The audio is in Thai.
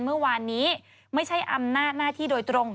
เมื่อวานนี้ไม่ใช่อำนาจหน้าที่โดยตรง